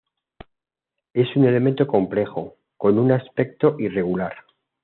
Es un elemento complejo, con un aspecto irregular.